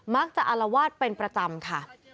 มักจะอลวาดเป็นประจำค่ะ